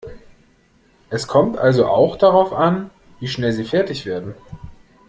Es kommt also auch darauf an, wie schnell Sie fertig werden.